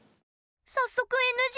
早速ＮＧ？